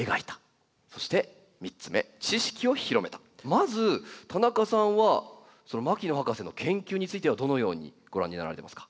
まず田中さんは牧野博士の研究についてはどのようにご覧になられてますか？